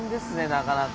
なかなか。